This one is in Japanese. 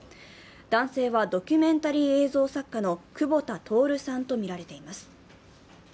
男性はドキュメンタリー映像作家の久保田徹さんとみられています。